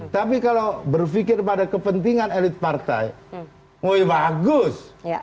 tapi kalau berpikir pada kepentingan elit partai ohi bagus